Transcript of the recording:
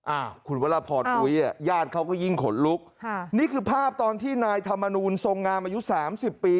อ่าคุณวรพรอุ๊ยอ่ะญาติเขาก็ยิ่งขนลุกค่ะนี่คือภาพตอนที่นายธรรมนูลทรงงามอายุสามสิบปี